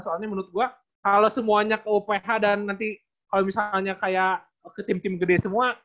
soalnya menurut gue kalau semuanya ke uph dan nanti kalau misalnya kayak ke tim tim gede semua